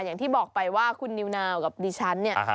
อย่างที่บอกไปว่าคุณนิวนาวกับดิฉันเนี่ย